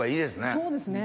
そうですね。